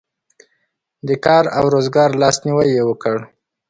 د کار او روزګار لاسنیوی یې وکړ.